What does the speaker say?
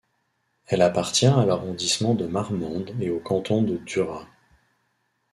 Elle appartient à l'arrondissement de Marmande et au canton de Duras.